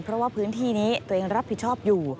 เพราะว่าพื้นที่นี้ตัวเองรับผิดชอบอยู่